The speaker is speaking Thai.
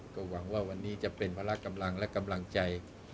ก็หวังว่าวันนี้จะเป็นภาระกำลังและกำลังใจ